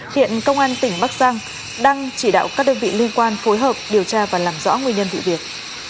hiện công an tỉnh bắc giang đang chỉ đạo các đơn vị liên quan phối hợp điều tra và làm rõ nguyên nhân vụ việc